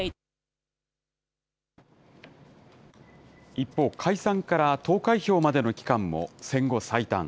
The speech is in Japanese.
一方、解散から投開票までの期間も戦後最短。